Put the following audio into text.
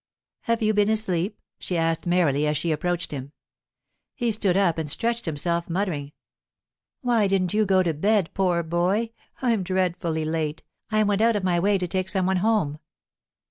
"Have you been asleep?" she asked merrily, as she approached him. He stood up and stretched himself, muttering. "Why didn't you go to bed, poor boy? I'm dreadfully late; I went out of my way to take some one home."